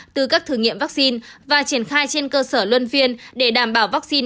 từ các thử nghiệm vaccine và triển khai trên cơ sở luân phiên để đảm bảo vaccine